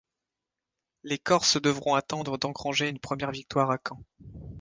Les Corses devront attendre d'engranger une première victoire à Caen.